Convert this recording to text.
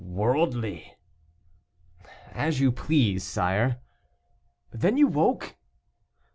"Worldly." "As you please, sire." "Then you woke?"